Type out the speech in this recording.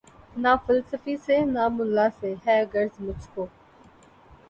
نہ فلسفی سے نہ ملا سے ہے غرض مجھ کو